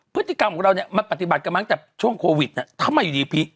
พฤติกรรมของเราเนี่ยมันปฏิบัติกันมาตั้งแต่ช่วงโควิดทำไมอยู่ดีพี่